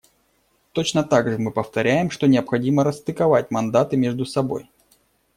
Точно так же мы повторяем, что необходимо расстыковать мандаты между собой.